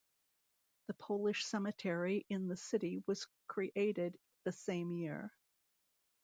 The Polish Cemetery in the city was created the same year.